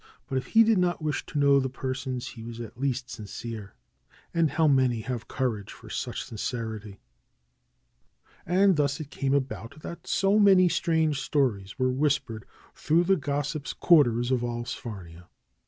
But if he did not wish to know the persons he was at least sincere. And how many have courage for such sincerity? And thus it came about that so many strange stories were whispered through the gossips' quarters of Alls farnia.